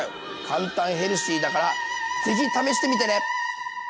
簡単ヘルシーだから是非試してみてね。